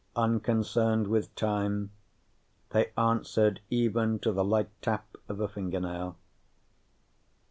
Unconcerned with time, they answered even to the light tap of a fingernail.